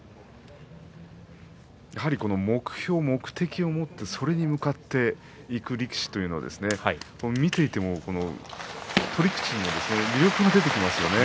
やはり目標、目的を持ってそれに向かっていく力士というのは見ていても取り口に魅力が出てきますよね。